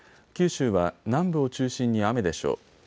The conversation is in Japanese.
九州は南部を中心に雨でしょう。